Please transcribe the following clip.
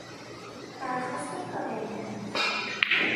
درخواست تابعیت